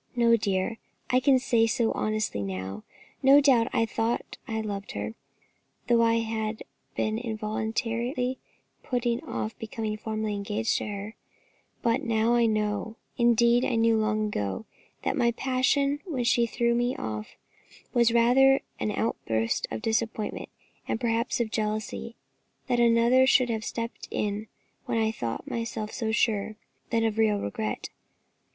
"No, dear; I can say so honestly now. No doubt I thought I loved her, though I had been involuntarily putting off becoming formally engaged to her; but I know now, indeed I knew long ago, that my passion when she threw me off was rather an outburst of disappointment, and perhaps of jealousy, that another should have stepped in when I thought myself so sure, than of real regret.